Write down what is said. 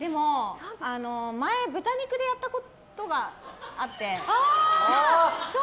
前、豚肉でやったことがあって。